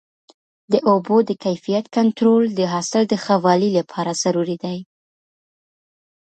د اوبو د کیفیت کنټرول د حاصل د ښه والي لپاره ضروري دی.